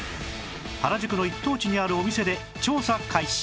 原宿の一等地にあるお店で調査開始